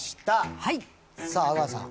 さあ阿川さん。